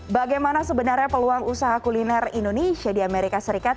bagaimana sebenarnya peluang usaha kuliner indonesia di amerika serikat